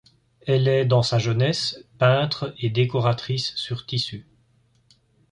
Elle est dans sa jeunesse peintre et décoratrice sur tissus.